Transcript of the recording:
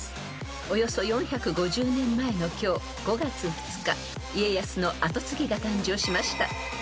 ［およそ４５０年前の今日５月２日家康の跡継ぎが誕生しました］